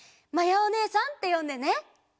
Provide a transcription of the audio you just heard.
まやおねえさんってよんでね！